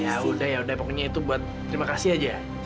ya udah yaudah pokoknya itu buat terima kasih aja